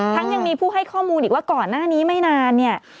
ทั้งยังมีผู้ให้ข้อมูลอีกว่าก่อนหน้านี้ไม่นาน